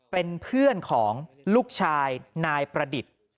เป็นเพื่อนของลูกชายนายประดิษฐ์